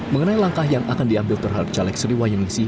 mengenai langkah yang akan diambil terhadap calek sriwayunisi